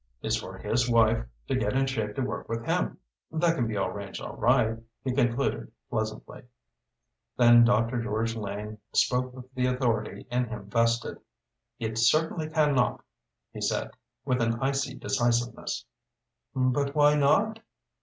is for his wife to get in shape to work with him. That can be arranged all right?" he concluded pleasantly. Then Dr. George Lane spoke with the authority in him vested. "It certainly can not," he said, with an icy decisiveness. "But why not?"